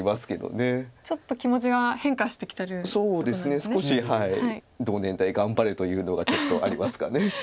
少し同年代頑張れというのがちょっとありますかね。